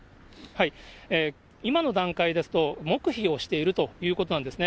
今の段階ですと、黙秘をしているということなんですね。